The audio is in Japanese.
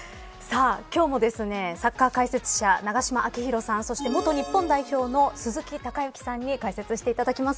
今日もサッカー解説者、永島昭浩さんそして元日本代表の鈴木隆行さんに解説していただきます。